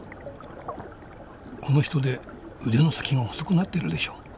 このヒトデ腕の先が細くなってるでしょ。